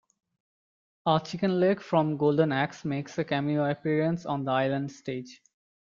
A chicken-leg from Golden Axe makes a cameo appearance on the Island stage.